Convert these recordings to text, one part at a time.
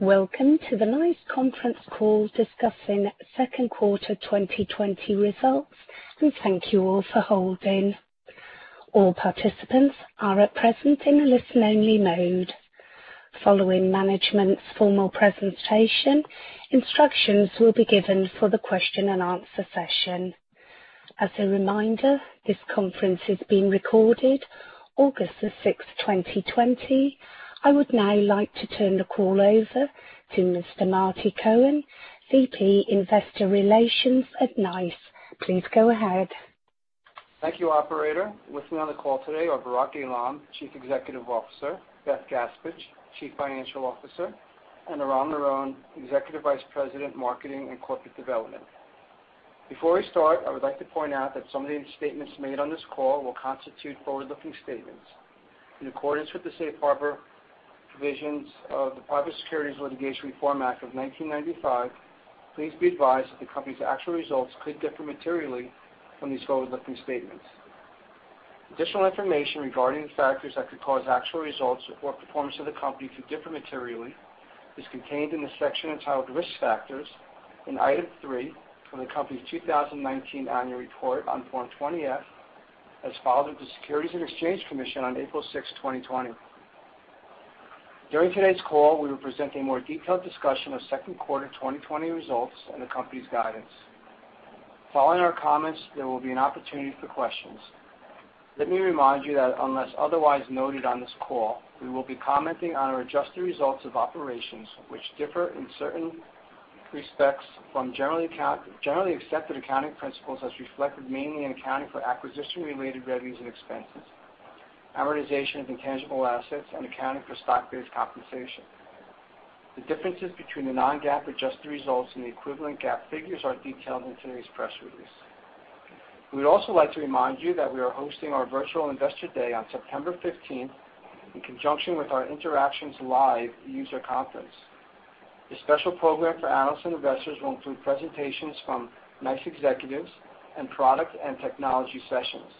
Welcome to the NICE conference call discussing second quarter 2020 results, and thank you all for holding. All participants are at present in a listen-only mode. Following management's formal presentation, instructions will be given for the question and answer session. As a reminder, this conference is being recorded August the sixth, 2020. I would now like to turn the call over to Mr. Marty Cohen, VP Investor Relations at NICE. Please go ahead. Thank you, operator. With me on the call today are Barak Eilam, Chief Executive Officer, Beth Gaspich, Chief Financial Officer, and Eran Miron, Executive Vice President, Marketing and Corporate Development. Before we start, I would like to point out that some of the statements made on this call will constitute forward-looking statements. In accordance with the safe harbor provisions of the Private Securities Litigation Reform Act of 1995, please be advised that the company's actual results could differ materially from these forward-looking statements. Additional information regarding the factors that could cause actual results or performance of the company to differ materially is contained in the section entitled Risk Factors in item three from the company's 2019 annual report on Form 20-F, as filed with the Securities and Exchange Commission on April 6, 2020. During today's call, we will present a more detailed discussion of second quarter 2020 results and the company's guidance. Following our comments, there will be an opportunity for questions. Let me remind you that unless otherwise noted on this call, we will be commenting on our adjusted results of operations, which differ in certain respects from generally accepted accounting principles, as reflected mainly in accounting for acquisition-related revenues and expenses, amortization of intangible assets, and accounting for stock-based compensation. The differences between the non-GAAP adjusted results and the equivalent GAAP figures are detailed in today's press release. We would also like to remind you that we are hosting our virtual investor day on September 15th in conjunction with our Interactions Live user conference. The special program for analysts and investors will include presentations from NICE executives and product and technology sessions.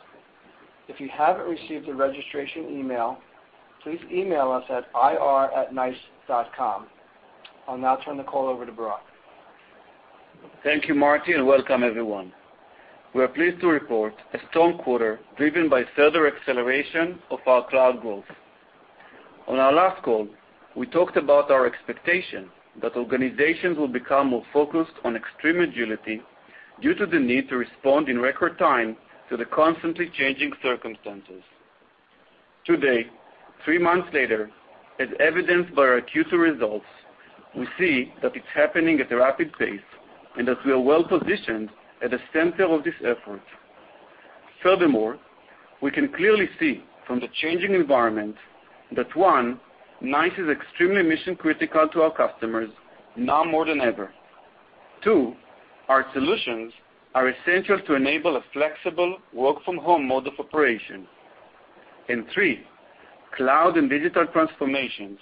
If you haven't received a registration email, please email us at ir@nice.com. I'll now turn the call over to Barak. Thank you, Marty, and welcome everyone. We are pleased to report a strong quarter driven by further acceleration of our cloud growth. On our last call, we talked about our expectation that organizations will become more focused on extreme agility due to the need to respond in record time to the constantly changing circumstances. Today, three months later, as evidenced by our Q2 results, we see that it's happening at a rapid pace and that we are well positioned at the center of this effort. Furthermore, we can clearly see from the changing environment that, one, NICE is extremely mission critical to our customers, now more than ever. Two, our solutions are essential to enable a flexible work from home mode of operation. Three, cloud and digital transformations,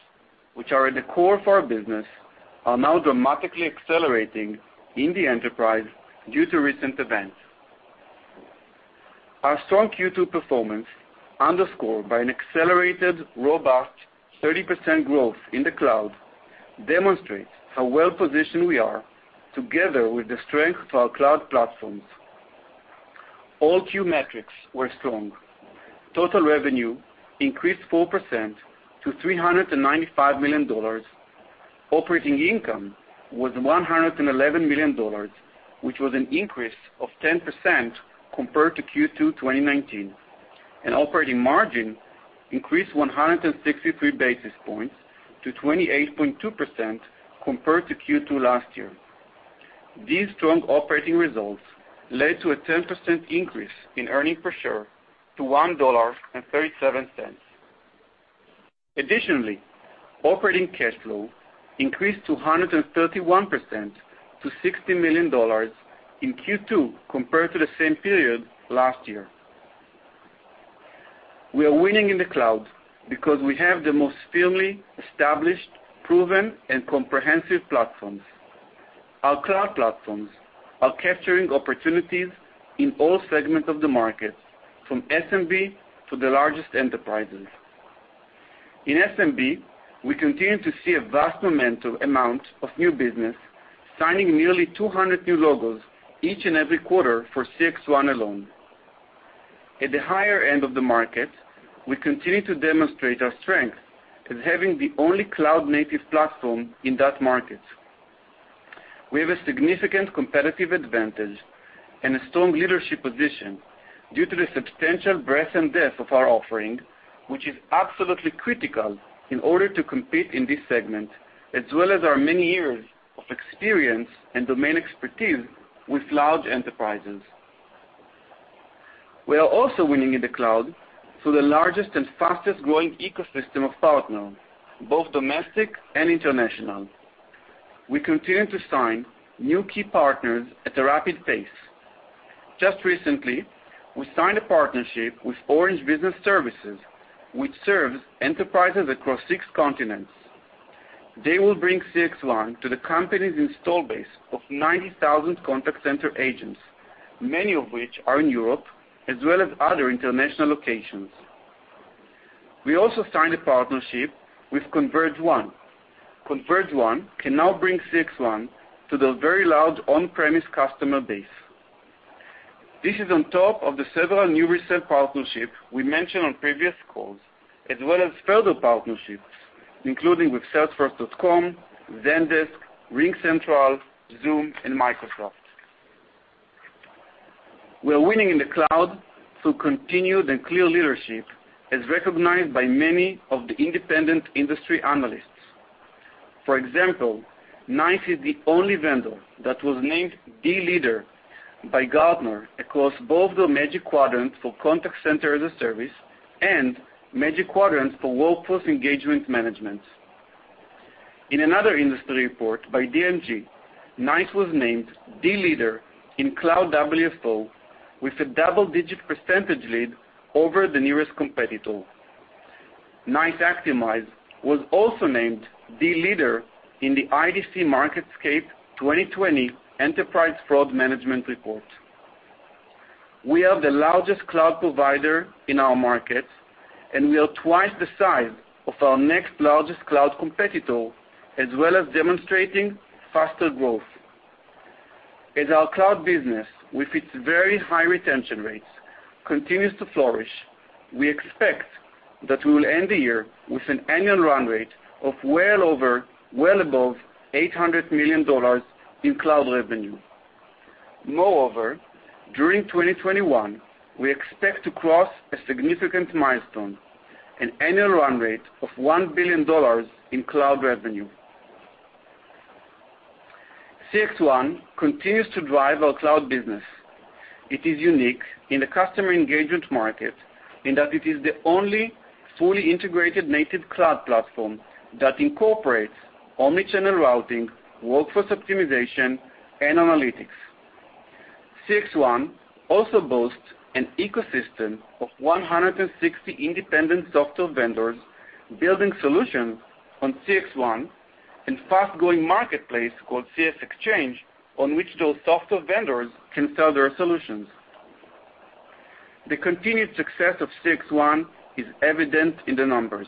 which are at the core of our business, are now dramatically accelerating in the enterprise due to recent events. Our strong Q2 performance, underscored by an accelerated, robust 30% growth in the cloud, demonstrates how well-positioned we are together with the strength of our cloud platforms. All Q metrics were strong. Total revenue increased 4% to $395 million. Operating income was $111 million, which was an increase of 10% compared to Q2 2019. Operating margin increased 163 basis points to 28.2% compared to Q2 last year. These strong operating results led to a 10% increase in earnings per share to $1.37. Additionally, operating cash flow increased to 131% to $60 million in Q2 compared to the same period last year. We are winning in the cloud because we have the most firmly established, proven, and comprehensive platforms. Our cloud platforms are capturing opportunities in all segments of the market, from SMB to the largest enterprises. In SMB, we continue to see a vast momentum amount of new business, signing nearly 200 new logos each and every quarter for CXone alone. At the higher end of the market, we continue to demonstrate our strength in having the only cloud-native platform in that market. We have a significant competitive advantage and a strong leadership position due to the substantial breadth and depth of our offering, which is absolutely critical in order to compete in this segment, as well as our many years of experience and domain expertise with large enterprises. We are also winning in the cloud through the largest and fastest growing ecosystem of partners, both domestic and international. We continue to sign new key partners at a rapid pace. Just recently, we signed a partnership with Orange Business Services, which serves enterprises across six continents. They will bring CXone to the company's install base of 90,000 contact center agents. Many of which are in Europe as well as other international locations. We also signed a partnership with ConvergeOne. ConvergeOne can now bring CXone to their very large on-premise customer base. This is on top of the several new resale partnerships we mentioned on previous calls, as well as further partnerships, including with salesforce.com, Zendesk, RingCentral, Zoom, and Microsoft. We are winning in the cloud through continued and clear leadership, as recognized by many of the independent industry analysts. For example, NICE is the only vendor that was named the leader by Gartner across both the Magic Quadrant for Contact Center as a Service and Magic Quadrant for Workforce Engagement Management. In another industry report by DMG, NICE was named the leader in cloud WFO with a double-digit percentage lead over the nearest competitor. NICE Actimize was also named the leader in the IDC MarketScape 2020 Enterprise Fraud Management report. We are the largest cloud provider in our market, and we are twice the size of our next largest cloud competitor, as well as demonstrating faster growth. As our cloud business, with its very high retention rates, continues to flourish, we expect that we will end the year with an annual run rate of well above $800 million in cloud revenue. Moreover, during 2021, we expect to cross a significant milestone, an annual run rate of $1 billion in cloud revenue. CXone continues to drive our cloud business. It is unique in the customer engagement market in that it is the only fully integrated native cloud platform that incorporates omni-channel routing, workforce optimization, and analytics. CXone also boasts an ecosystem of 160 independent software vendors building solutions on CXone and fast-growing marketplace called CXexchange, on which those software vendors can sell their solutions. The continued success of CXone is evident in the numbers.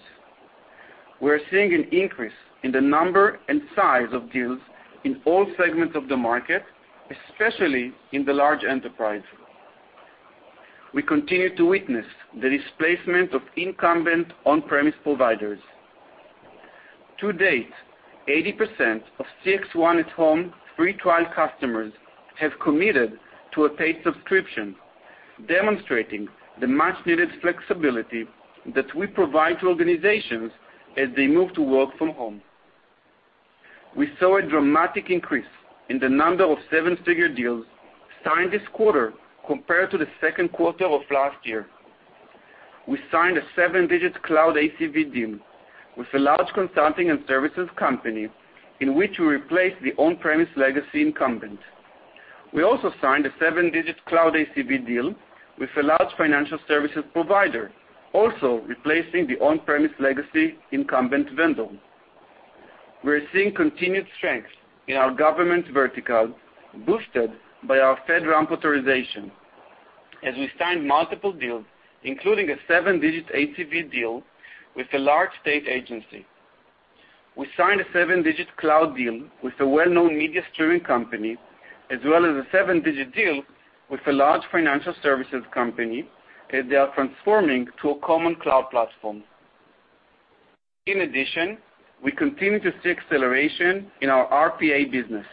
We're seeing an increase in the number and size of deals in all segments of the market, especially in the large enterprise. We continue to witness the displacement of incumbent on-premise providers. To date, 80% of CXone at-home free trial customers have committed to a paid subscription, demonstrating the much-needed flexibility that we provide to organizations as they move to work from home. We saw a dramatic increase in the number of seven-figure deals signed this quarter compared to the second quarter of last year. We signed a seven-digit cloud ACV deal with a large consulting and services company in which we replaced the on-premise legacy incumbent. We also signed a seven-digit cloud ACV deal with a large financial services provider, also replacing the on-premise legacy incumbent vendor. We're seeing continued strength in our government vertical, boosted by our FedRAMP authorization, as we signed multiple deals, including a seven-digit ACV deal with a large state agency. We signed a seven-digit cloud deal with a well-known media streaming company, as well as a seven-digit deal with a large financial services company as they are transforming to a common cloud platform. In addition, we continue to see acceleration in our RPA business,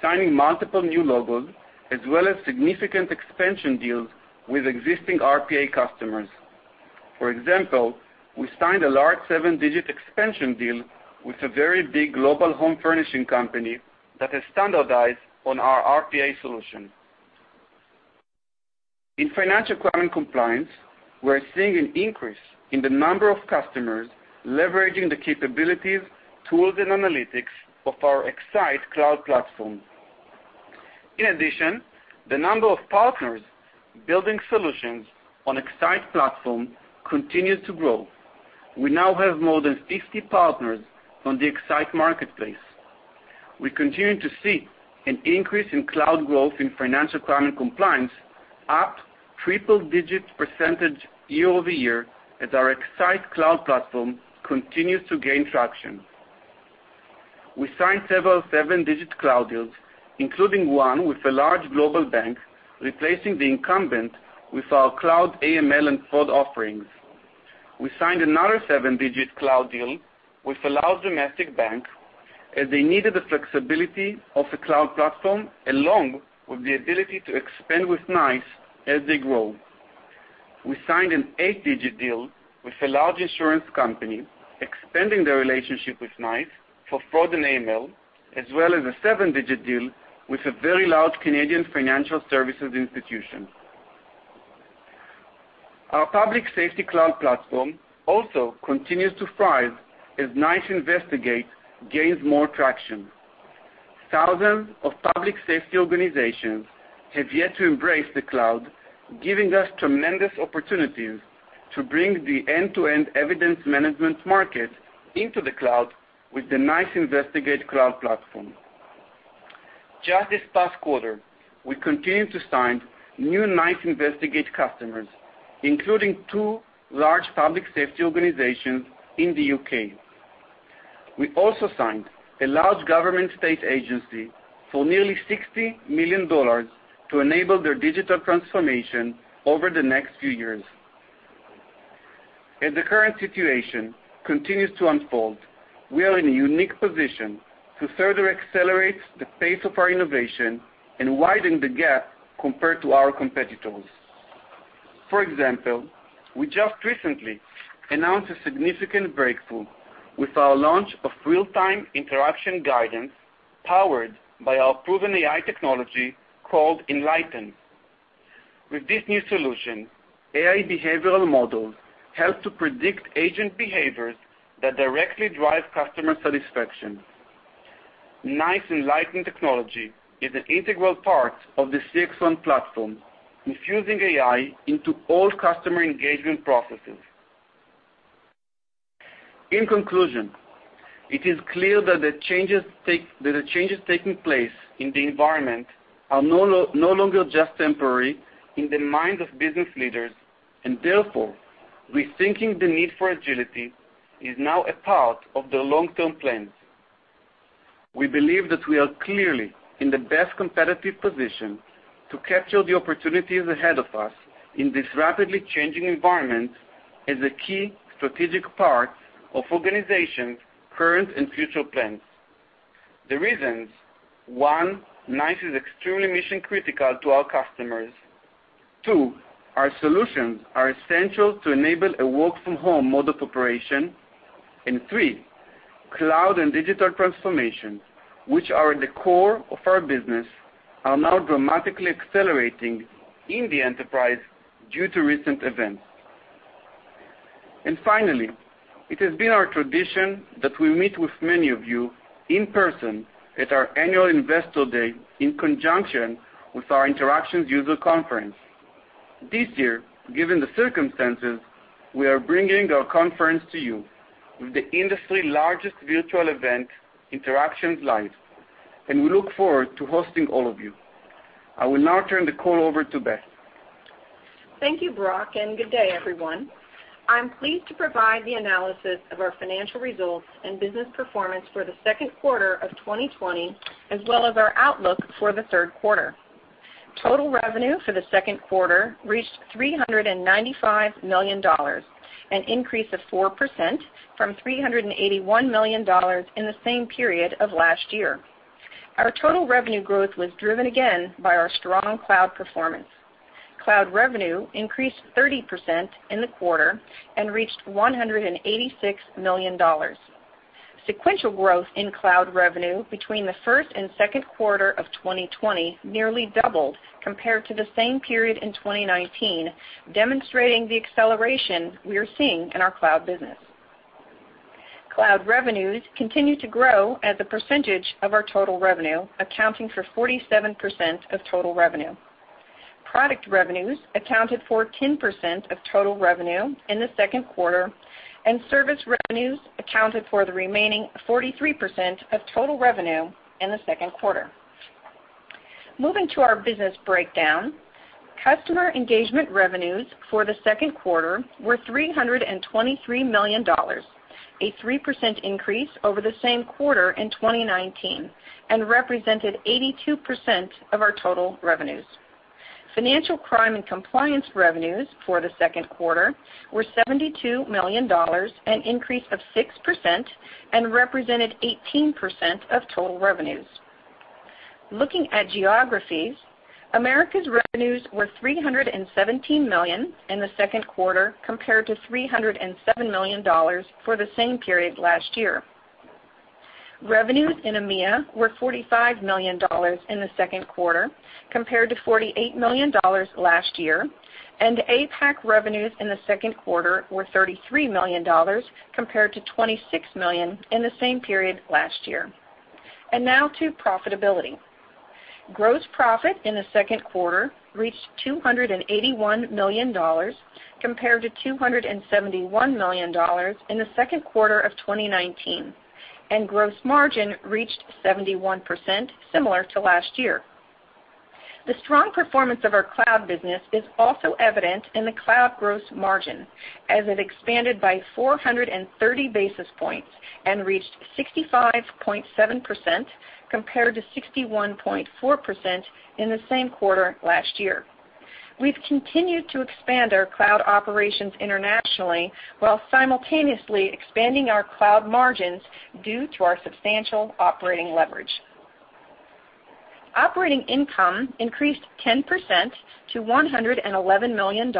signing multiple new logos as well as significant expansion deals with existing RPA customers. For example, we signed a large $7-digit expansion deal with a very big global home furnishing company that has standardized on our RPA solution. In financial crime and compliance, we're seeing an increase in the number of customers leveraging the capabilities, tools, and analytics of our X-Sight cloud platform. In addition, the number of partners building solutions on X-Sight platform continues to grow. We now have more than 50 partners on the X-Sight marketplace. We continue to see an increase in cloud growth in financial crime and compliance, up triple-digit percentage year-over-year as our X-Sight cloud platform continues to gain traction. We signed several seven-digit cloud deals, including one with a large global bank, replacing the incumbent with our cloud AML and fraud offerings. We signed another seven-digit cloud deal with a large domestic bank, as they needed the flexibility of the cloud platform along with the ability to expand with NICE as they grow. We signed an eight-digit deal with a large insurance company, expanding their relationship with NICE for fraud and AML, as well as a seven-digit deal with a very large Canadian financial services institution. Our public safety cloud platform also continues to thrive as NICE Investigate gains more traction. Thousands of public safety organizations have yet to embrace the cloud, giving us tremendous opportunities to bring the end-to-end evidence management market into the cloud with the NICE Investigate Cloud platform. Just this past quarter, we continued to sign new NICE Investigate customers, including two large public safety organizations in the U.K. We also signed a large government state agency for nearly $60 million to enable their digital transformation over the next few years. As the current situation continues to unfold, we are in a unique position to further accelerate the pace of our innovation and widen the gap compared to our competitors. For example, we just recently announced a significant breakthrough with our launch of real-time interaction guidance powered by our proven AI technology called Enlighten. With this new solution, AI behavioral models help to predict agent behaviors that directly drive customer satisfaction. NICE Enlighten technology is an integral part of the CXone platform, infusing AI into all customer engagement processes. In conclusion, it is clear that the changes taking place in the environment are no longer just temporary in the minds of business leaders, and therefore, rethinking the need for agility is now a part of their long-term plans. We believe that we are clearly in the best competitive position to capture the opportunities ahead of us in this rapidly changing environment as a key strategic part of organizations' current and future plans. The reasons, one, NICE is extremely mission-critical to our customers. Two, our solutions are essential to enable a work-from-home mode of operation. Three, cloud and digital transformation, which are the core of our business, are now dramatically accelerating in the enterprise due to recent events. Finally, it has been our tradition that we meet with many of you in person at our annual Investor Day in conjunction with our Interactions user conference. This year, given the circumstances, we are bringing our conference to you with the industry largest virtual event, Interactions Live, and we look forward to hosting all of you. I will now turn the call over to Beth. Thank you, Barak, and good day everyone. I'm pleased to provide the analysis of our financial results and business performance for the second quarter of 2020, as well as our outlook for the third quarter. Total revenue for the second quarter reached $395 million, an increase of 4% from $381 million in the same period of last year. Our total revenue growth was driven again by our strong cloud performance. Cloud revenue increased 30% in the quarter and reached $186 million. Sequential growth in cloud revenue between the first and second quarter of 2020 nearly doubled compared to the same period in 2019, demonstrating the acceleration we are seeing in our cloud business. Cloud revenues continue to grow as a percentage of our total revenue, accounting for 47% of total revenue. Product revenues accounted for 10% of total revenue in the second quarter, and service revenues accounted for the remaining 43% of total revenue in the second quarter. Moving to our business breakdown. Customer engagement revenues for the second quarter were $323 million, a 3% increase over the same quarter in 2019, and represented 82% of our total revenues. Financial crime and compliance revenues for the second quarter were $72 million, an increase of 6%, and represented 18% of total revenues. Looking at geographies, Americas revenues were $317 million in the second quarter compared to $307 million for the same period last year. Revenues in EMEA were $45 million in the second quarter compared to $48 million last year. APAC revenues in the second quarter were $33 million compared to $26 million in the same period last year. Now to profitability. Gross profit in the second quarter reached $281 million compared to $271 million in the second quarter of 2019. Gross margin reached 71%, similar to last year. The strong performance of our cloud business is also evident in the cloud gross margin, as it expanded by 430 basis points and reached 65.7% compared to 61.4% in the same quarter last year. We've continued to expand our cloud operations internationally while simultaneously expanding our cloud margins due to our substantial operating leverage. Operating income increased 10% to $111 million.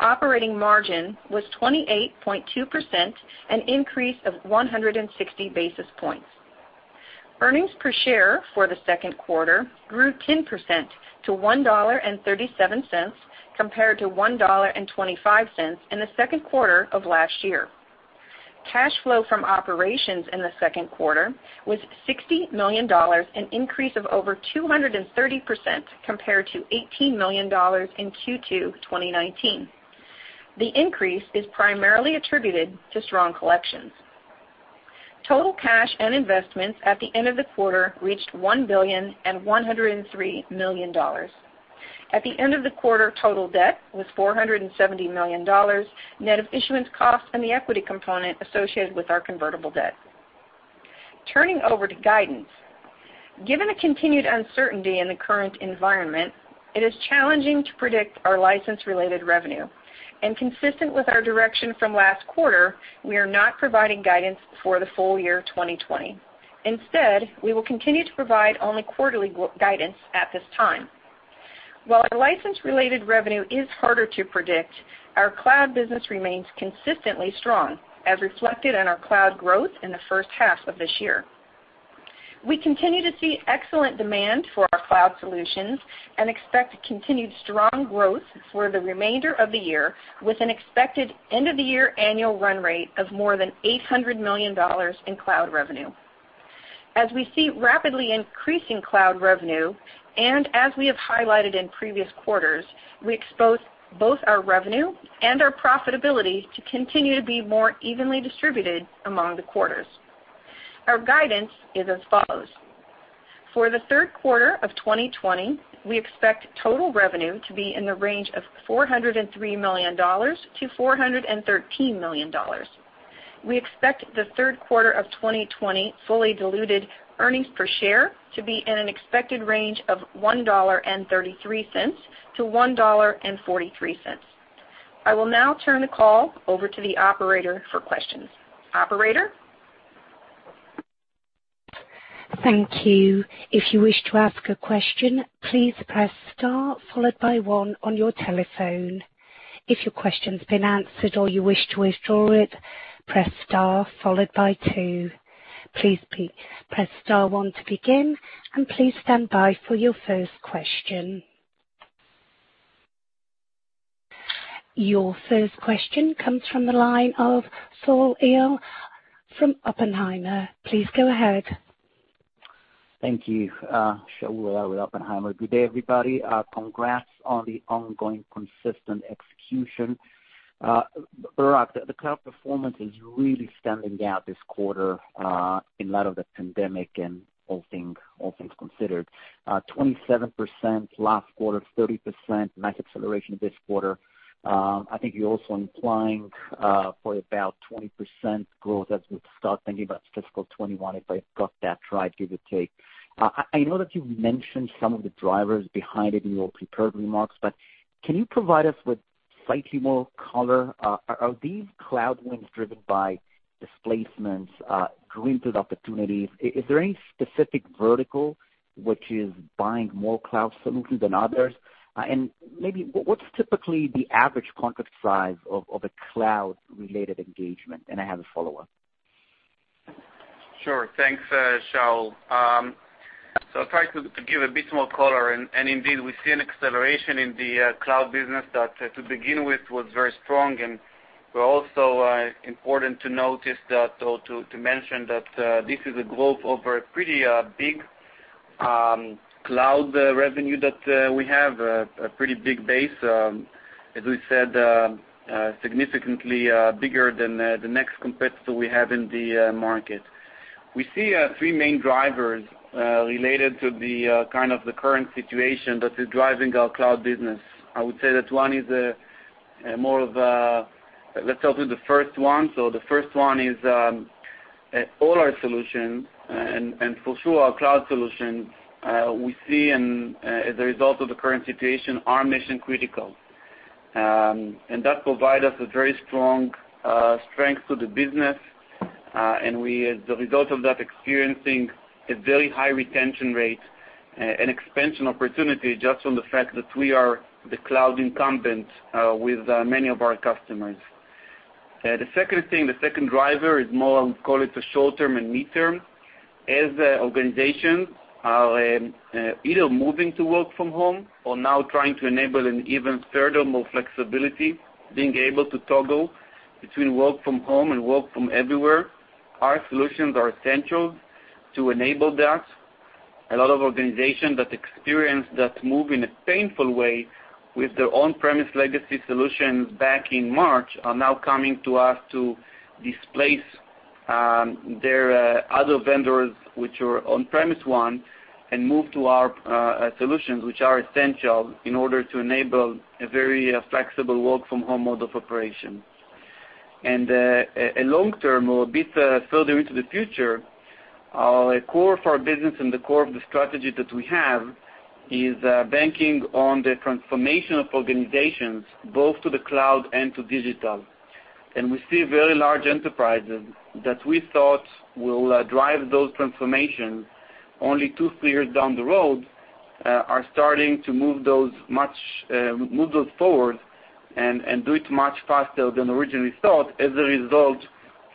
Operating margin was 28.2%, an increase of 160 basis points. Earnings per share for the second quarter grew 10% to $1.37 compared to $1.25 in the second quarter of last year. Cash flow from operations in the second quarter was $60 million, an increase of over 230% compared to $18 million in Q2 2019. The increase is primarily attributed to strong collections. Total cash and investments at the end of the quarter reached $1 billion and $103 million. At the end of the quarter, total debt was $470 million, net of issuance costs and the equity component associated with our convertible debt. Turning over to guidance. Given a continued uncertainty in the current environment, it is challenging to predict our license-related revenue. Consistent with our direction from last quarter, we are not providing guidance for the full year 2020. Instead, we will continue to provide only quarterly guidance at this time. While our license-related revenue is harder to predict, our cloud business remains consistently strong, as reflected in our cloud growth in the first half of this year. We continue to see excellent demand for our cloud solutions and expect continued strong growth for the remainder of the year, with an expected end-of-the-year annual run rate of more than $800 million in cloud revenue. As we see rapidly increasing cloud revenue, as we have highlighted in previous quarters, we expect both our revenue and our profitability to continue to be more evenly distributed among the quarters. Our guidance is as follows. For the third quarter of 2020, we expect total revenue to be in the range of $403 million-$413 million. We expect the third quarter of 2020 fully diluted earnings per share to be in an expected range of $1.33-$1.43. I will now turn the call over to the operator for questions. Operator? Thank you. If you wish to ask a question, please press star followed by one on your telephone. If your question's been answered or you wish to withdraw it, press star followed by two. Please press star one to begin, and please stand by for your first question. Your first question comes from the line of Shaul Eyal from Oppenheimer. Please go ahead. Thank you. Shaul Eyal with Oppenheimer. Good day, everybody. Congrats on the ongoing consistent execution. Barak, the cloud performance is really standing out this quarter in light of the pandemic and all things considered. 27% last quarter, 30% nice acceleration this quarter. I think you're also implying, for about 20% growth as we start thinking about FY 2021, if I've got that right, give or take. I know that you've mentioned some of the drivers behind it in your prepared remarks, but can you provide us with slightly more color? Are these cloud wins driven by displacements, greenfield opportunities? Is there any specific vertical which is buying more cloud solutions than others? Maybe, what's typically the average contract size of a cloud-related engagement? I have a follow-up. Sure. Thanks, Shaul. I'll try to give a bit more color, and indeed, we see an acceleration in the cloud business that to begin with was very strong, and also important to mention that this is a growth over a pretty big cloud revenue that we have, a pretty big base. As we said, significantly bigger than the next competitor we have in the market. We see three main drivers related to the current situation that is driving our cloud business. Let's start with the first one. The first one is, all our solutions and for sure our cloud solutions, we see as a result of the current situation, are mission critical. That provide us a very strong strength to the business. We, as a result of that, experiencing a very high retention rate and expansion opportunity just from the fact that we are the cloud incumbent with many of our customers. The second thing, the second driver is more, I would call it, a short-term and mid-term. As organizations are either moving to work from home or now trying to enable an even further more flexibility, being able to toggle between work from home and work from everywhere, our solutions are essential to enable that. A lot of organizations that experience that move in a painful way with their on-premise legacy solutions back in March are now coming to us to displace their other vendors, which were on-premise ones, and move to our solutions, which are essential in order to enable a very flexible work from home mode of operation. Long term or a bit further into the future, a core of our business and the core of the strategy that we have is banking on the transformation of organizations both to the cloud and to digital. We see very large enterprises that we thought will drive those transformations only two, three years down the road, are starting to move those forward and do it much faster than originally thought as a result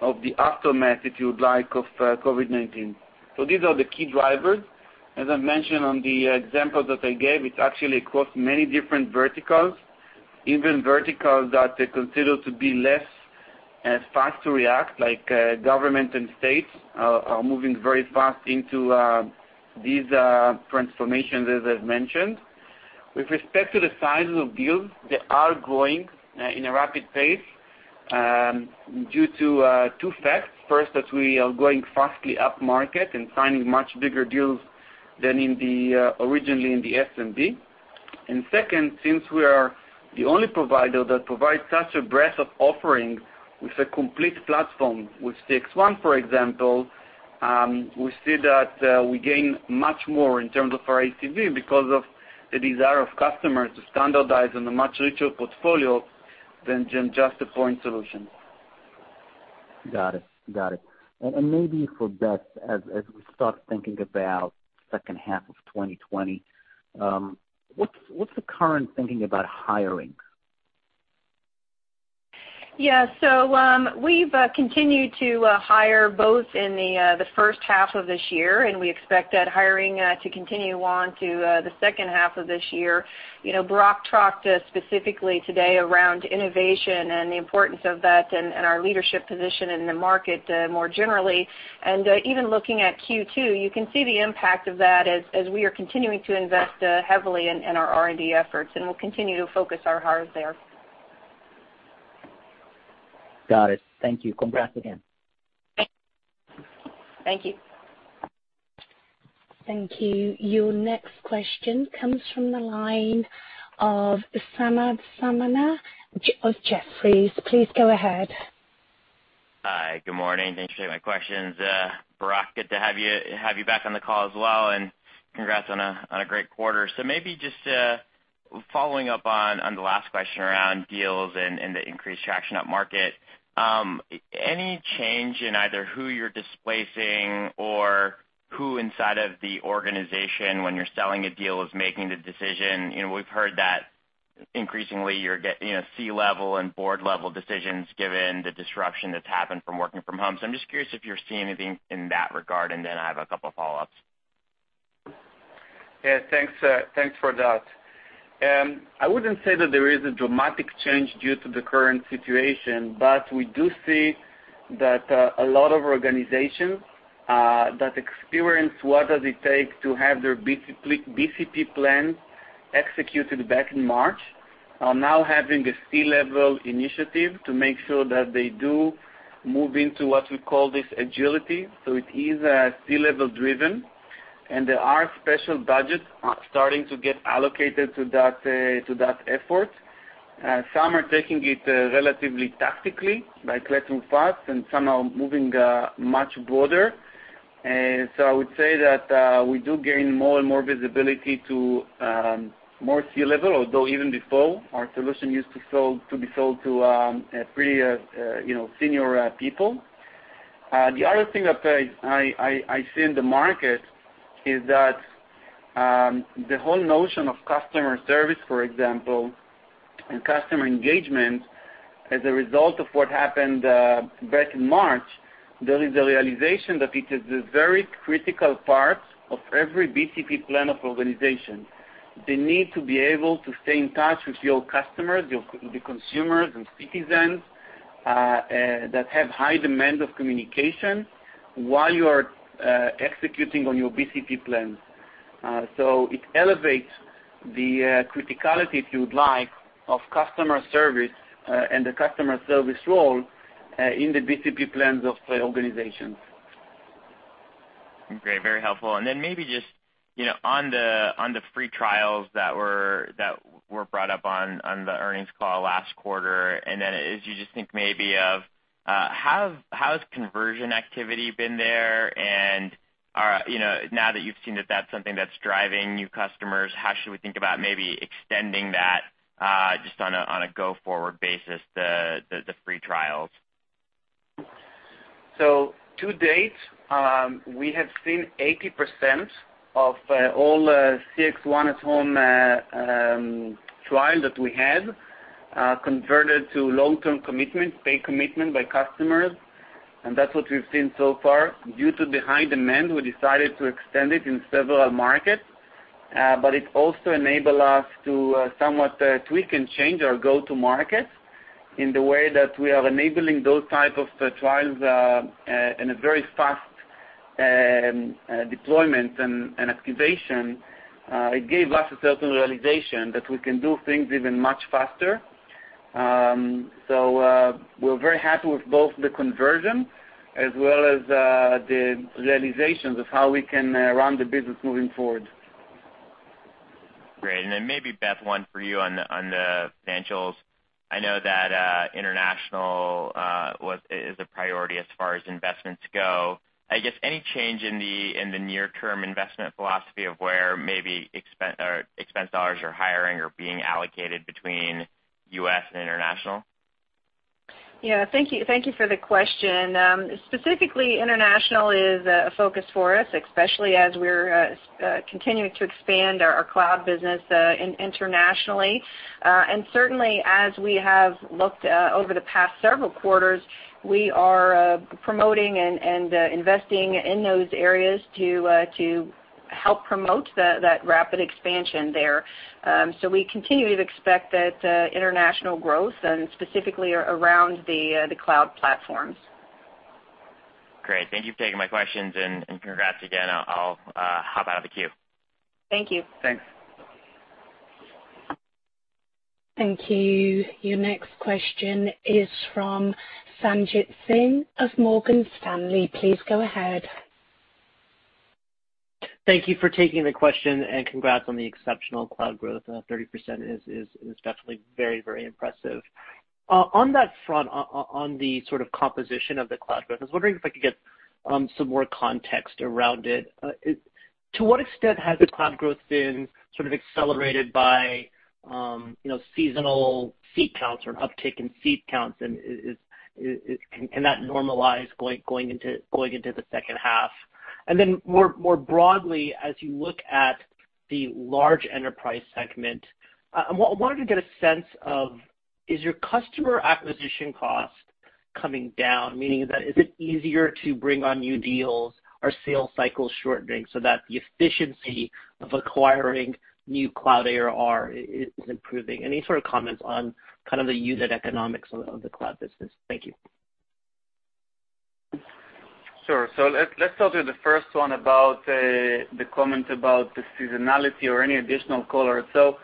of the aftermath, if you would like, of COVID-19. These are the key drivers. As I mentioned on the example that I gave, it actually across many different verticals. Even verticals that they consider to be less fast to react, like government and states, are moving very fast into these transformations, as I've mentioned. With respect to the size of deals, they are growing in a rapid pace due to two facts. First, that we are going fastly up market and signing much bigger deals than originally in the SMB. Second, since we are the only provider that provides such a breadth of offering with a complete platform, with CXone, for example, we see that we gain much more in terms of our ACV because of the desire of customers to standardize on a much richer portfolio than just a point solution. Got it. Maybe for Beth, as we start thinking about second half of 2020, what's the current thinking about hiring? Yeah. We've continued to hire both in the first half of this year, and we expect that hiring to continue on to the second half of this year. Barak talked specifically today around innovation and the importance of that and our leadership position in the market more generally. Even looking at Q2, you can see the impact of that as we are continuing to invest heavily in our R&D efforts, and we'll continue to focus our hires there. Got it. Thank you. Congrats again. Thank you. Thank you. Your next question comes from the line of Samad Samana of Jefferies. Please go ahead. Hi, good morning. Thanks for taking my questions. Barak, good to have you back on the call as well, and congrats on a great quarter. Maybe just following up on the last question around deals and the increased traction up market. Any change in either who you're displacing or who inside of the organization when you're selling a deal is making the decision? We've heard that increasingly you're getting C-level and board-level decisions given the disruption that's happened from working from home. I'm just curious if you're seeing anything in that regard, and then I have a couple of follow-ups. Yeah, thanks for that. I wouldn't say that there is a dramatic change due to the current situation, but we do see that a lot of organizations that experienced what does it take to have their BCP plans executed back in March, are now having a C-level initiative to make sure that they do move into what we call this agility. It is C-level driven, and there are special budgets starting to get allocated to that effort. Some are taking it relatively tactically by collecting facts, and some are moving much broader. I would say that we do gain more and more visibility to more C-level, although even before, our solution used to be sold to pretty senior people. The other thing that I see in the market is that the whole notion of customer service, for example, and customer engagement as a result of what happened back in March, there is a realization that it is a very critical part of every BCP plan of organization. The need to be able to stay in touch with your customers, the consumers, and citizens, that have high demand of communication while you are executing on your BCP plans. It elevates the criticality, if you would like, of customer service, and the customer service role, in the BCP plans of the organizations. Great. Very helpful. Maybe just on the free trials that were brought up on the earnings call last quarter, and then as you just think, how has conversion activity been there and now that you've seen that that's something that's driving new customers, how should we think about maybe extending that, just on a go-forward basis, the free trials? To date, we have seen 80% of all CXone at home trials that we had, converted to long-term commitments, paid commitment by customers, and that's what we've seen so far. Due to the high demand, we decided to extend it in several markets. It also enable us to somewhat tweak and change our go to market in the way that we are enabling those type of trials, in a very fast deployment and activation. It gave us a certain realization that we can do things even much faster. We're very happy with both the conversion as well as the realizations of how we can run the business moving forward. Great. Maybe, Beth, one for you on the financials. I know that international is a priority as far as investments go. I guess any change in the near-term investment philosophy of where maybe expense dollars or hiring are being allocated between U.S. and international? Yeah. Thank you for the question. Specifically, international is a focus for us, especially as we're continuing to expand our cloud business internationally. Certainly as we have looked over the past several quarters, we are promoting and investing in those areas to help promote that rapid expansion there. We continue to expect that international growth and specifically around the cloud platforms. Great. Thank you for taking my questions and congrats again. I'll hop out of the queue. Thank you. Thanks. Thank you. Your next question is from Sanjit Singh of Morgan Stanley. Please go ahead. Thank you for taking the question and congrats on the exceptional cloud growth. 30% is definitely very, very impressive. On that front, on the sort of composition of the cloud growth, I was wondering if I could get some more context around it. To what extent has the cloud growth been sort of accelerated by seasonal seat counts or an uptick in seat counts, and can that normalize going into the second half? More broadly, as you look at the large enterprise segment, I wanted to get a sense of, is your customer acquisition cost coming down? Meaning, is it easier to bring on new deals? Are sales cycles shortening so that the efficiency of acquiring new cloud ARR is improving? Any sort of comments on kind of the unit economics of the cloud business? Thank you. Sure. Let's talk to the first one about the comment about the seasonality or any additional color. I'll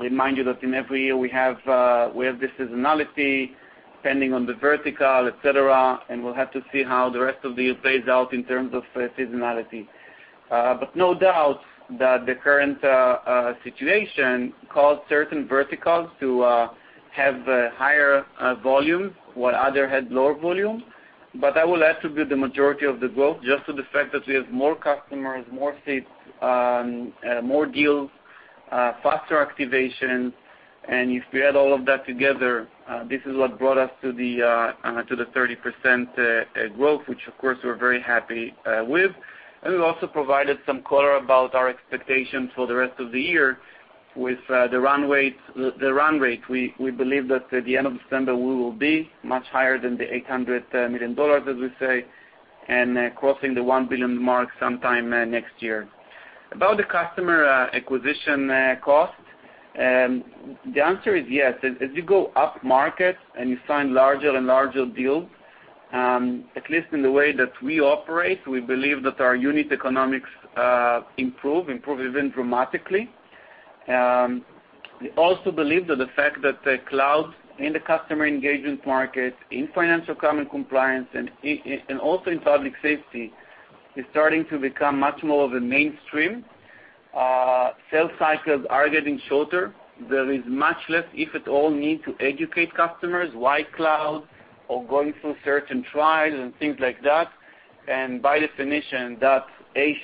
remind you that in every year we have this seasonality depending on the vertical, et cetera, and we'll have to see how the rest of the year plays out in terms of seasonality. No doubt that the current situation caused certain verticals to have higher volume while others had lower volume. I will attribute the majority of the growth just to the fact that we have more customers, more seats, more deals, faster activation. If we add all of that together, this is what brought us to the 30% growth, which of course we're very happy with. We've also provided some color about our expectations for the rest of the year with the run rate. We believe that at the end of December, we will be much higher than the $800 million, as we say, and crossing the $1 billion mark sometime next year. About the customer acquisition cost, the answer is yes. As you go up market and you sign larger and larger deals, at least in the way that we operate, we believe that our unit economics improve, even dramatically. We also believe that the fact that the cloud in the customer engagement market, in financial crime and compliance, and also in public safety, is starting to become much more of a mainstream. Sales cycles are getting shorter. There is much less, if at all, need to educate customers why cloud or going through certain trials and things like that. By definition, that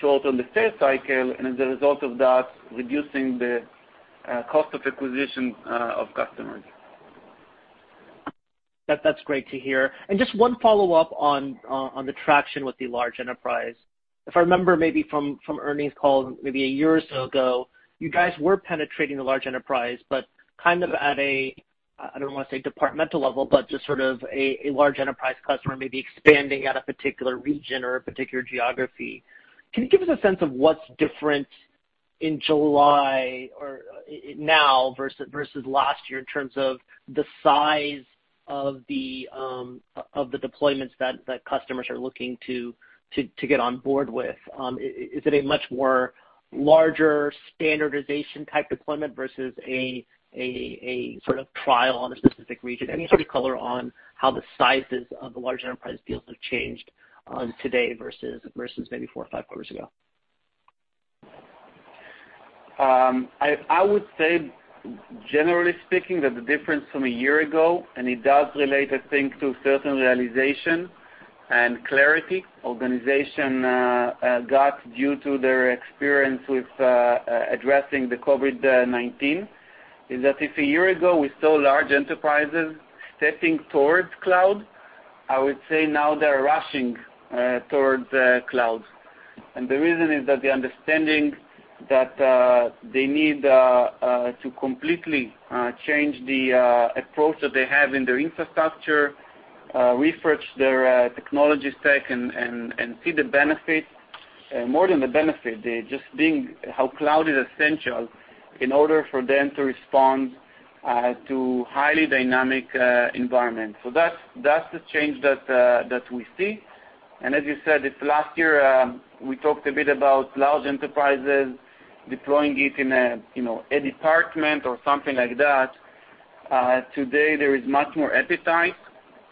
shorten the sales cycle and as a result of that, reducing the cost of acquisition of customers. That's great to hear. Just one follow-up on the traction with the large enterprise. If I remember maybe from earnings calls maybe a year or so ago, you guys were penetrating the large enterprise, but kind of at a, I don't want to say departmental level, but just sort of a large enterprise customer maybe expanding at a particular region or a particular geography. Can you give us a sense of what's different in July or now versus last year in terms of the size of the deployments that customers are looking to get on board with? Is it a much larger standardization type deployment versus a sort of trial on a specific region? Any sort of color on how the sizes of the large enterprise deals have changed today versus maybe four or five quarters ago? I would say, generally speaking, there's a difference from a year ago, and it does relate, I think, to certain realization and clarity, organization, got due to their experience with addressing the COVID-19, is that if a year ago we saw large enterprises stepping towards cloud, I would say now they're rushing towards cloud. The reason is that the understanding that they need to completely change the approach that they have in their infrastructure, refresh their technology stack and see the benefit, more than the benefit, just seeing how cloud is essential in order for them to respond to highly dynamic environments. That's the change that we see. As you said, if last year, we talked a bit about large enterprises deploying it in a department or something like that, today, there is much more appetite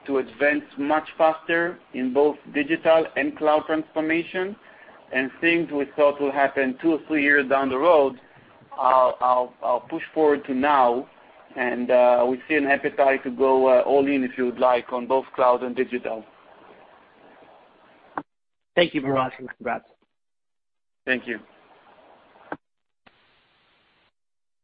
to advance much faster in both digital and cloud transformation. Things we thought will happen two or three years down the road, are pushed forward to now. We see an appetite to go all in, if you would like, on both cloud and digital. Thank you, Barak. Congrats. Thank you.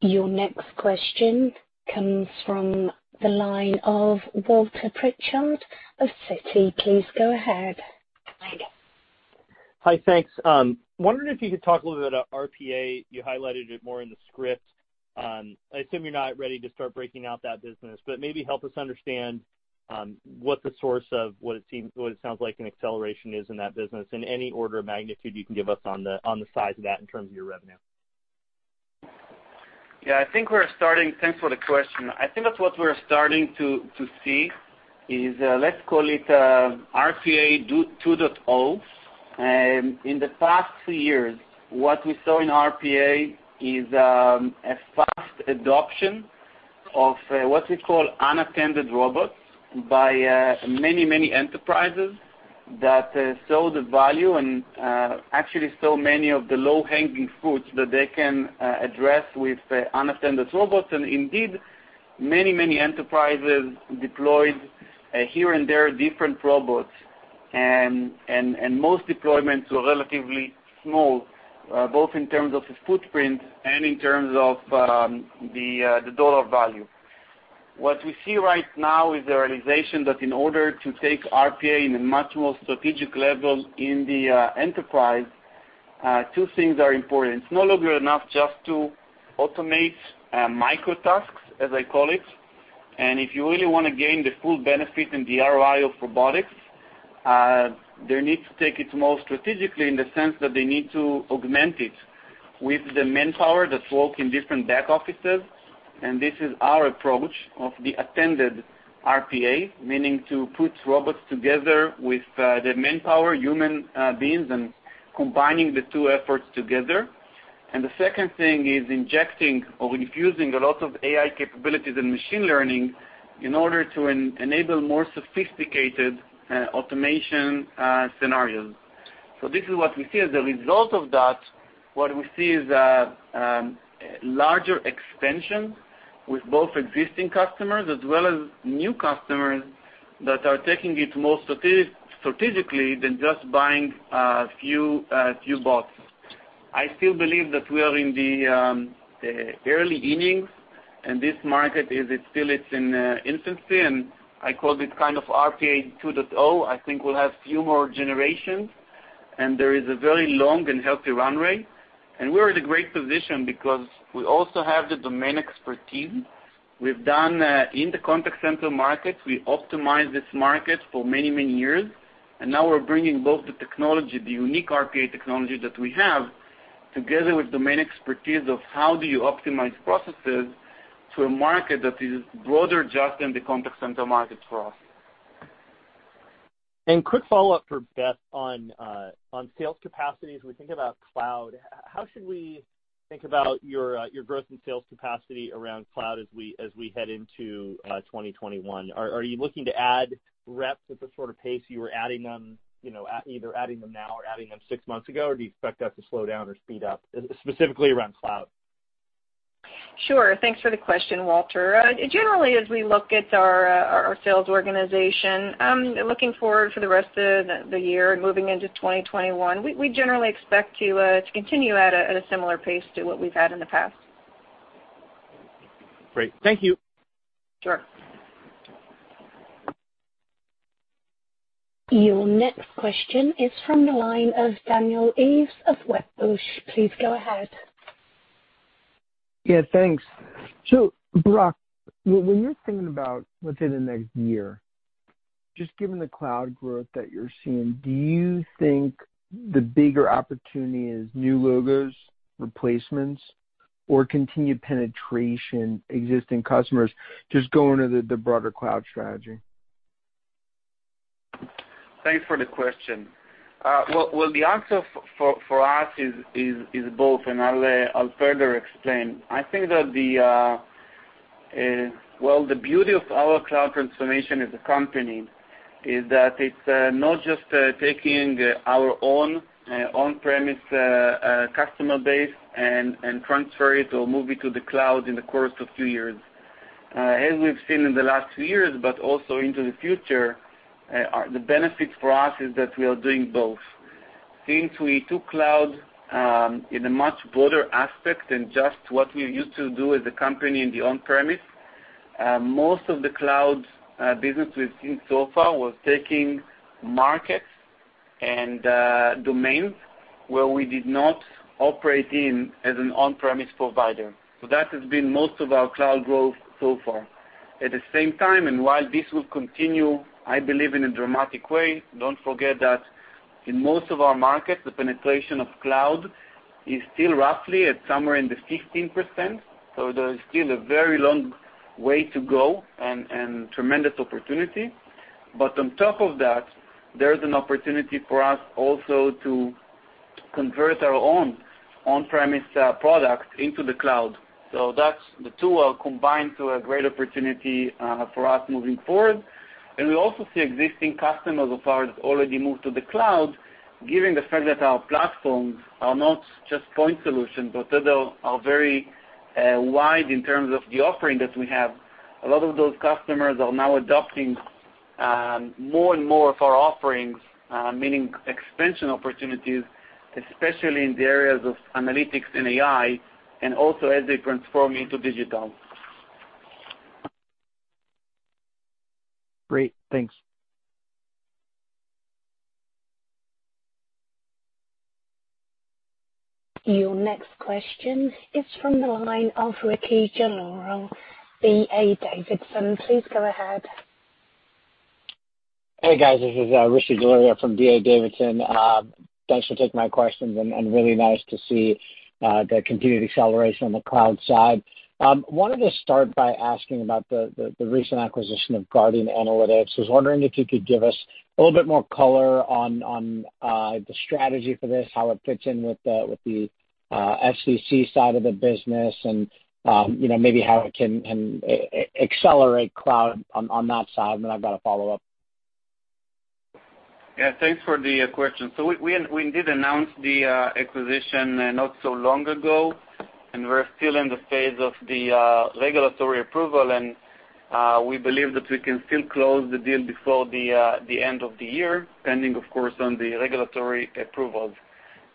Your next question comes from the line of Walter Pritchard of Citi. Please go ahead. Hi, thanks. Wondering if you could talk a little bit about RPA. You highlighted it more in the script. I assume you're not ready to start breaking out that business, but maybe help us understand what the source of what it sounds like an acceleration is in that business, in any order of magnitude you can give us on the size of that in terms of your revenue. Yeah, thanks for the question. I think that what we're starting to see is, let's call it, RPA 2.0. In the past two years, what we saw in RPA is a fast adoption of what we call unattended robots by many enterprises that saw the value and actually saw many of the low-hanging fruits that they can address with unattended robots. Indeed, many enterprises deployed, here and there, different robots. Most deployments were relatively small, both in terms of footprint and in terms of the dollar value. What we see right now is the realization that in order to take RPA in a much more strategic level in the enterprise, two things are important. It's no longer enough just to automate microtasks, as I call it. If you really want to gain the full benefit and the ROI of robotics, they need to take it more strategically in the sense that they need to augment it with the manpower that work in different back offices. This is our approach of the attended RPA, meaning to put robots together with the manpower, human beings, and combining the two efforts together. The second thing is injecting or infusing a lot of AI capabilities and machine learning in order to enable more sophisticated automation scenarios. This is what we see. As a result of that, what we see is a larger extension with both existing customers as well as new customers that are taking it more strategically than just buying a few bots. I still believe that we are in the early innings, and this market, it's still in its infancy, and I call it kind of RPA 2.0. I think we'll have few more generations, and there is a very long and healthy run rate. We're at a great position because we also have the domain expertise. In the contact center markets, we optimize this market for many years, and now we're bringing both the technology, the unique RPA technology that we have, together with domain expertise of how do you optimize processes to a market that is broader just in the contact center market for us. Quick follow-up for Beth on sales capacity. As we think about cloud, how should we think about your growth in sales capacity around cloud as we head into 2021? Are you looking to add reps at the sort of pace you were adding them, either adding them now or adding them six months ago? Or do you expect that to slow down or speed up, specifically around cloud? Sure. Thanks for the question, Walter. Generally, as we look at our sales organization, looking forward for the rest of the year and moving into 2021, we generally expect to continue at a similar pace to what we've had in the past. Great. Thank you. Sure. Your next question is from the line of Daniel Ives of Wedbush. Please go ahead. Yeah, thanks. Barak, when you're thinking about within the next year, just given the cloud growth that you're seeing, do you think the bigger opportunity is new logos, replacements, or continued penetration, existing customers just going to the broader cloud strategy? Thanks for the question. Well, the answer for us is both, and I'll further explain. I think that the beauty of our cloud transformation as a company is that it's not just taking our own on-premise customer base and transfer it or move it to the cloud in the course of two years. As we've seen in the last two years, but also into the future, the benefits for us is that we are doing both. Since we took cloud in a much broader aspect than just what we used to do as a company in the on-premise, most of the cloud business we've seen so far was taking markets and domains where we did not operate in as an on-premise provider. That has been most of our cloud growth so far. At the same time, and while this will continue, I believe in a dramatic way, don't forget that in most of our markets, the penetration of cloud is still roughly at somewhere in the 16%, so there's still a very long way to go and tremendous opportunity. On top of that, there's an opportunity for us also to convert our own on-premise product into the cloud. The two are combined to a great opportunity for us moving forward. We also see existing customers of ours already moved to the cloud, given the fact that our platforms are not just point solutions, but they are very wide in terms of the offering that we have. A lot of those customers are now adopting more and more of our offerings, meaning expansion opportunities, especially in the areas of analytics and AI, and also as they transform into digital. Great. Thanks. Your next question is from the line of Rishi Jaluria, D.A. Davidson. Please go ahead. Hey, guys. This is Rishi Jaluria from D.A. Davidson. Thanks for taking my questions, and really nice to see the continued acceleration on the cloud side. I wanted to start by asking about the recent acquisition of Guardian Analytics. I was wondering if you could give us a little bit more color on the strategy for this, how it fits in with the FCC side of the business and maybe how it can accelerate cloud on that side. Then I've got a follow-up. Yeah, thanks for the question. We did announce the acquisition not so long ago, and we're still in the phase of the regulatory approval. We believe that we can still close the deal before the end of the year, depending, of course, on the regulatory approvals.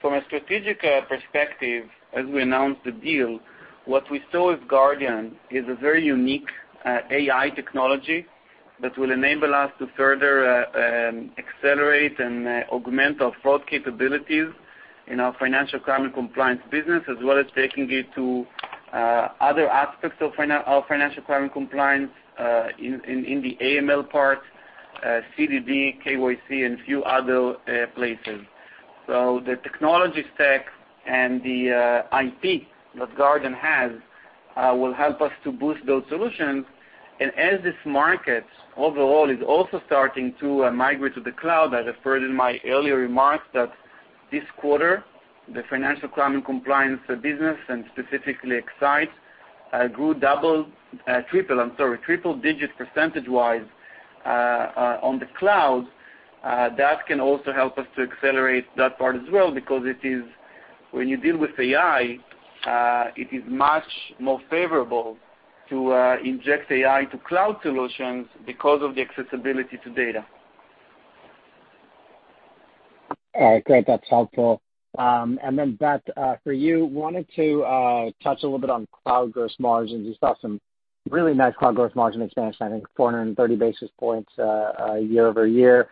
From a strategic perspective, as we announced the deal, what we saw with Guardian is a very unique AI technology that will enable us to further accelerate and augment our fraud capabilities in our financial crime and compliance business, as well as taking it to other aspects of our financial crime and compliance, in the AML part, CDD, KYC, and a few other places. The technology stack and the IP that Guardian has will help us to boost those solutions. As this market overall is also starting to migrate to the cloud, I referred in my earlier remarks that this quarter, the financial crime and compliance business, and specifically X-Sight, grew double, triple, I'm sorry, triple-digit percentage-wise on the cloud. That can also help us to accelerate that part as well, because when you deal with AI, it is much more favorable to inject AI into cloud solutions because of the accessibility to data. All right, great. That's helpful. Beth, for you, wanted to touch a little bit on cloud gross margins. You saw some really nice cloud gross margin expansion, I think 430 basis points year-over-year.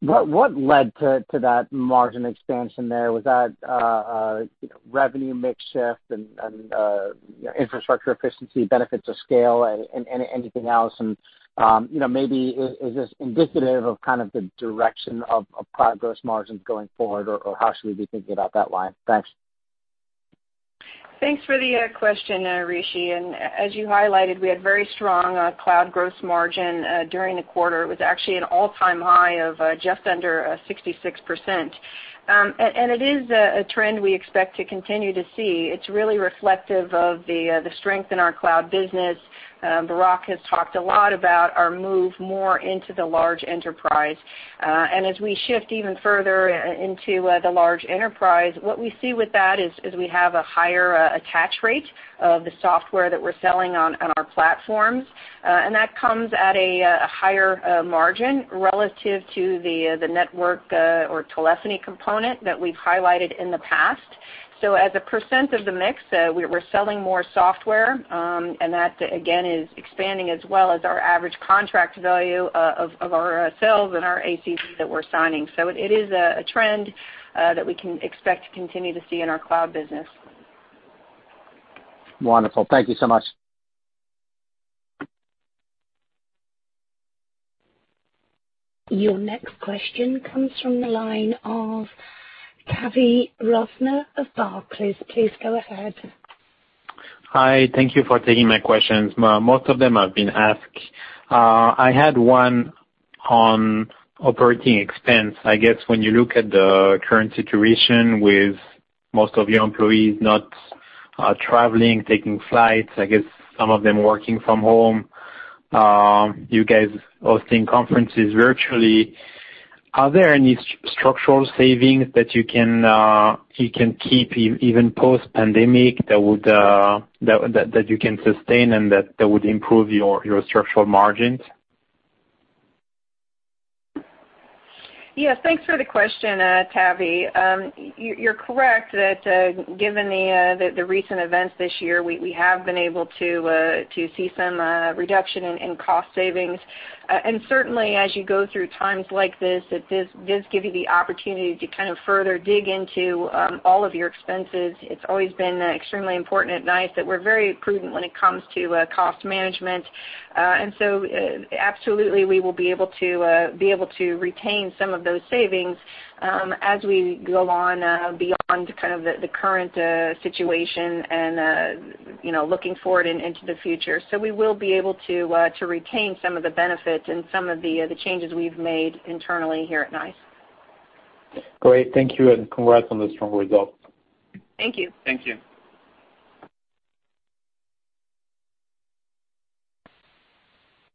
What led to that margin expansion there? Was that revenue mix shift and infrastructure efficiency, benefits of scale, and anything else? Maybe is this indicative of kind of the direction of cloud gross margins going forward, or how should we be thinking about that line? Thanks. Thanks for the question, Rishi. As you highlighted, we had very strong cloud gross margin during the quarter. It was actually an all-time high of just under 66%. It is a trend we expect to continue to see. It's really reflective of the strength in our cloud business. Barak has talked a lot about our move more into the large enterprise. As we shift even further into the large enterprise, what we see with that is we have a higher attach rate of the software that we're selling on our platforms. That comes at a higher margin relative to the network or telephony component that we've highlighted in the past. As a % of the mix, we're selling more software, and that, again, is expanding as well as our average contract value of our sales and our ACV that we're signing. It is a trend that we can expect to continue to see in our cloud business. Wonderful. Thank you so much. Your next question comes from the line of Tavy Rosner of Barclays. Please go ahead. Hi. Thank you for taking my questions. Most of them have been asked. I had one on operating expense. I guess when you look at the current situation with most of your employees not traveling, taking flights, I guess some of them working from home, you guys hosting conferences virtually, are there any structural savings that you can keep even post-pandemic that you can sustain and that would improve your structural margins? Yes, thanks for the question, Tavy. You're correct that given the recent events this year, we have been able to see some reduction in cost savings. Certainly, as you go through times like this, it does give you the opportunity to kind of further dig into all of your expenses. It's always been extremely important at NICE that we're very prudent when it comes to cost management. Absolutely, we will be able to retain some of those savings as we go on beyond kind of the current situation and looking forward into the future. We will be able to retain some of the benefits and some of the changes we've made internally here at NICE. Great. Thank you, and congrats on the strong results. Thank you. Thank you.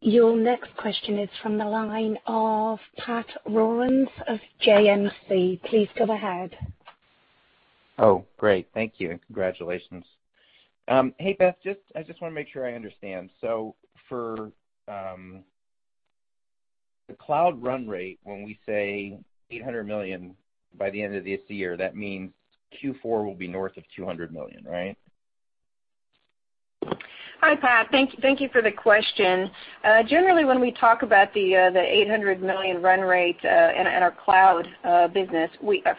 Your next question is from the line of Pat Walravens of JMP. Please go ahead. Oh, great. Thank you, and congratulations. Hey, Beth Gaspich, I just want to make sure I understand. For the cloud run rate, when we say $800 million by the end of this year, that means Q4 will be north of $200 million, right? Hi, Pat. Thank you for the question. Generally, when we talk about the $800 million run rate in our cloud business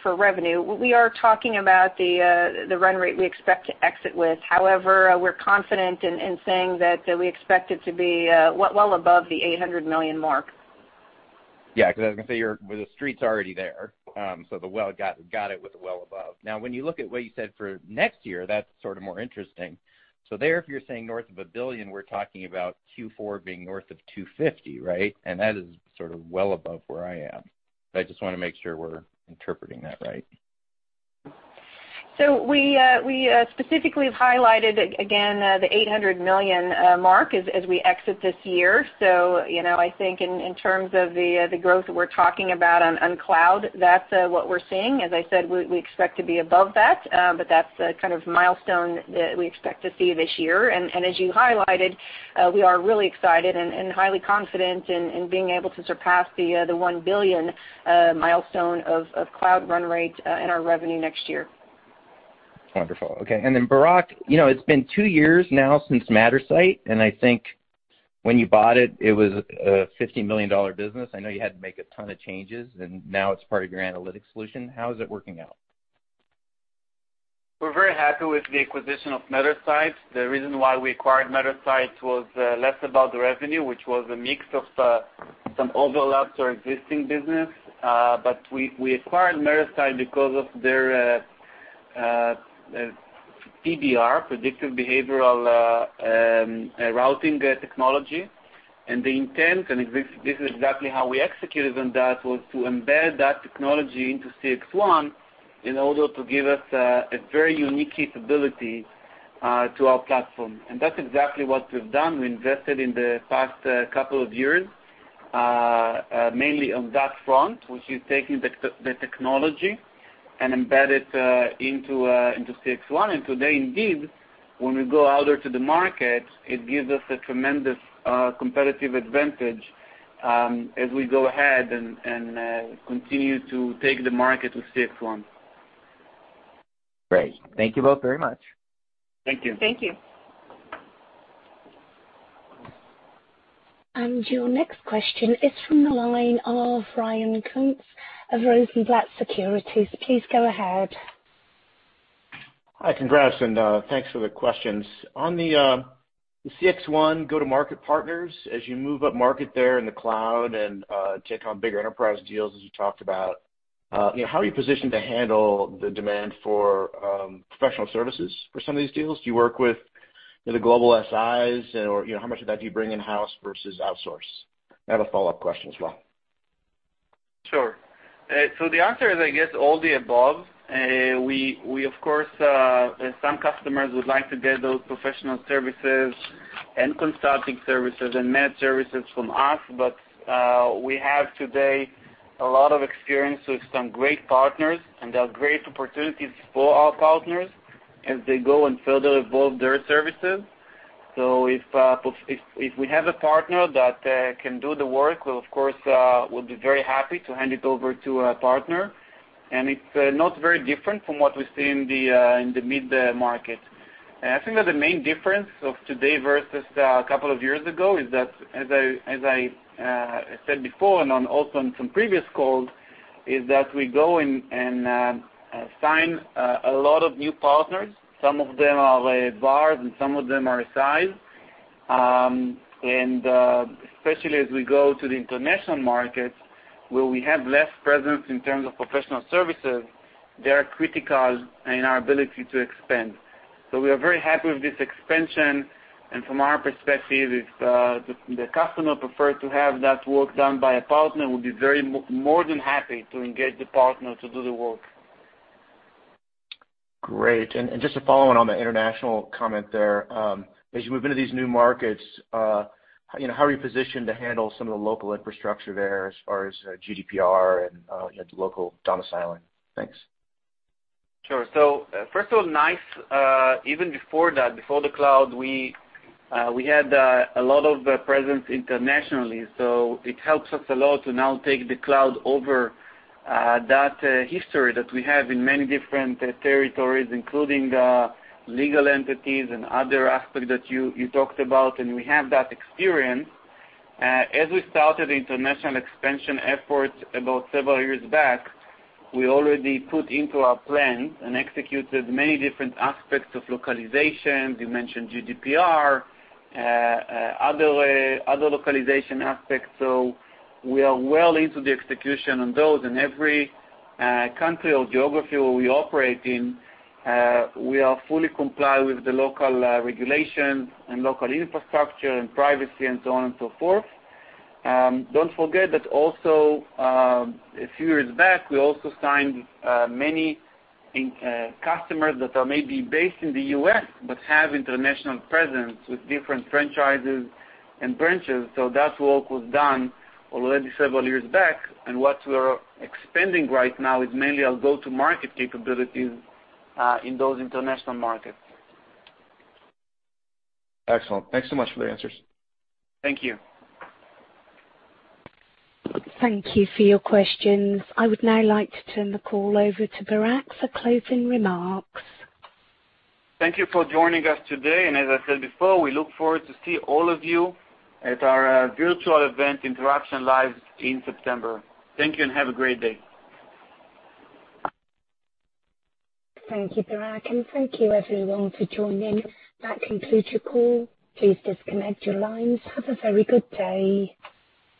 for revenue, we are talking about the run rate we expect to exit with. However, we're confident in saying that we expect it to be well above the $800 million mark. Yeah, because I was going to say, The Street's already there, so got it with well above. Now when you look at what you said for next year, that's more interesting. There, if you're saying north of $1 billion, we're talking about Q4 being north of $250 million, right? That is well above where I am. I just want to make sure we're interpreting that right. We specifically have highlighted, again, the $800 million mark as we exit this year. I think in terms of the growth that we're talking about on cloud, that's what we're seeing. As I said, we expect to be above that. That's the kind of milestone that we expect to see this year. As you highlighted, we are really excited and highly confident in being able to surpass the $1 billion milestone of cloud run rate in our revenue next year. Wonderful. Okay, and then Barak, it's been two years now since Mattersight, and I think when you bought it was a $50 million business. I know you had to make a ton of changes, and now it's part of your analytics solution. How is it working out? We're very happy with the acquisition of Mattersight. The reason why we acquired Mattersight was less about the revenue, which was a mix of some overlaps or existing business. We acquired Mattersight because of their PBR, predictive behavioral routing technology. The intent, and this is exactly how we executed on that, was to embed that technology into CXone in order to give us a very unique capability to our platform. That's exactly what we've done. We invested in the past couple of years, mainly on that front, which is taking the technology and embed it into CXone. Today, indeed, when we go out to the market, it gives us a tremendous competitive advantage as we go ahead and continue to take the market with CXone. Great. Thank you both very much. Thank you. Thank you. Your next question is from the line of Ryan Koontz of Rosenblatt Securities. Please go ahead. Hi, congrats, thanks for the questions. On the CXone go-to-market partners, as you move up market there in the cloud and take on bigger enterprise deals, as you talked about, how are you positioned to handle the demand for professional services for some of these deals? Do you work with the global SIs, or how much of that do you bring in-house versus outsource? I have a follow-up question as well. Sure. The answer is, I guess, all the above. Of course, some customers would like to get those professional services and consulting services and managed services from us. We have today a lot of experience with some great partners, and there are great opportunities for our partners as they go and further evolve their services. If we have a partner that can do the work, we of course, will be very happy to hand it over to a partner, and it's not very different from what we see in the mid-market. I think that the main difference of today versus a couple of years ago is that, as I said before and also on some previous calls, is that we go and sign a lot of new partners. Some of them are VARs and some of them are SIs. Especially as we go to the international markets, where we have less presence in terms of professional services, they are critical in our ability to expand. We are very happy with this expansion, and from our perspective, if the customer prefers to have that work done by a partner, we'll be more than happy to engage the partner to do the work. Great. Just to follow on the international comment there, as you move into these new markets, how are you positioned to handle some of the local infrastructure there as far as GDPR and local domiciling? Thanks. Sure. First of all, NICE, even before that, before the cloud, we had a lot of presence internationally. It helps us a lot to now take the cloud over that history that we have in many different territories, including legal entities and other aspects that you talked about. We have that experience. As we started international expansion efforts about several years back, we already put into our plans and executed many different aspects of localization. You mentioned GDPR, other localization aspects. We are well into the execution on those in every country or geography where we operate in, we are fully compliant with the local regulations and local infrastructure and privacy and so on and so forth. Don't forget that also, a few years back, we also signed many customers that are maybe based in the U.S. but have international presence with different franchises and branches. That work was done already several years back. What we are expanding right now is mainly our go-to-market capabilities in those international markets. Excellent. Thanks so much for the answers. Thank you. Thank you for your questions. I would now like to turn the call over to Barak for closing remarks. Thank you for joining us today. As I said before, we look forward to see all of you at our virtual event Interactions Live in September. Thank you and have a great day. Thank you, Barak, and thank you everyone for joining. That concludes your call. Please disconnect your lines. Have a very good day.